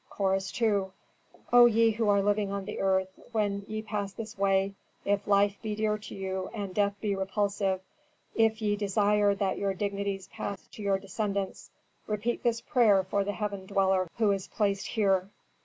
Chorus II. "O ye who are living on the earth, when ye pass this way, if life be dear to you and death be repulsive, if ye desire that your dignities pass to your descendants, repeat this prayer for the heaven dweller who is placed here."